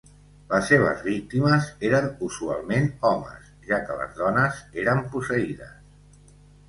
Les seves víctimes eren usualment homes, ja que les dones eren posseïdes.